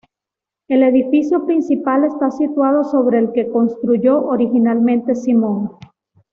El edificio principal está situado sobre el que construyó originalmente Simón.